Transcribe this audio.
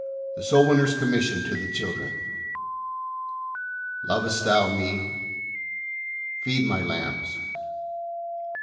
XV. THE SOUL winner's COMMISSION TO THE CHILDREN. "Lovest thou Met Feed My lambs."